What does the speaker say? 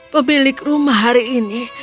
pemilik rumah hari ini